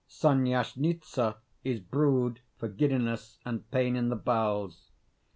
Sonyashnitza is brewed for giddiness and pain in the bowels.